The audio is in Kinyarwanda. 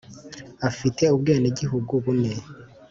Afite ubwenegihugu bune.